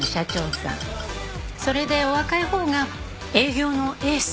それでお若いほうが営業のエース。